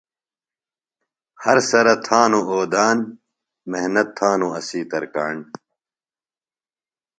ہر سرہ تھانوۡ اودان، محۡنت تھانوۡ اسی ترکاݨ